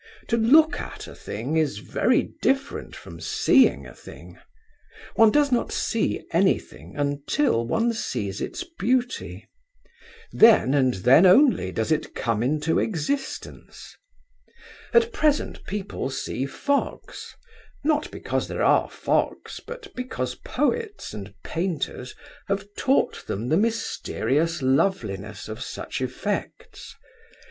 To look at a thing is very different from seeing a thing. One does not see anything until one sees its beauty. Then, and then only, does it come into existence. At present, people see fogs, not because there are fogs, but because poets and painters have taught them the mysterious loveliness of such effects.